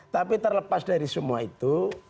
tapi terlepas dari semua itu